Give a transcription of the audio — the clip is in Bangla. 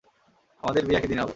আমাদের বিয়ে একই দিনে হবে।